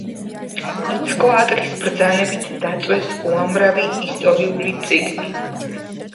იცკოატლის ბრძანებით დაწვეს უამრავი ისტორიული წიგნი.